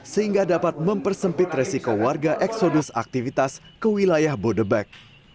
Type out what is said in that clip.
sehingga dapat mempersempit resiko warga eksodus aktivitas ke wilayah bodebek